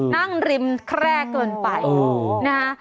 นั่งริมแคร่กเกินไปนะฮะ